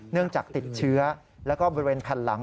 เนื่องจากติดเชื้อแล้วก็บริเวณแผ่นหลัง